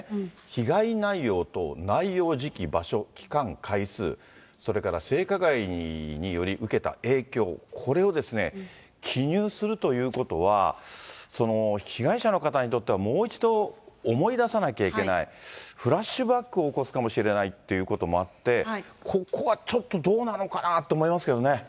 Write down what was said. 被害内容と内容、時期、場所、期間、回数、それから性加害により受けた影響、これをですね、記入するということは、被害者の方にとってはもう一度思い出さなきゃいけない、フラッシュバックを起こすかもしれないということもあって、ここはちょっとどうなのかなって思いますけどね。